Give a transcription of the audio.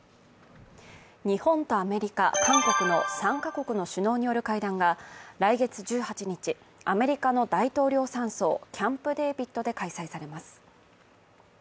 日本とアメリカ・韓国の３か国の首脳による会談が来月１８日、アメリカの大統領山荘キャンプ・デービッドで開催されます。